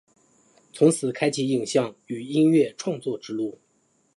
从此开启影像与音乐创作之路。